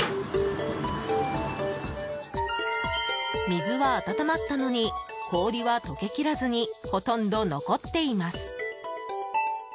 水は温まったのに氷は解けきらずにほとんど残っています。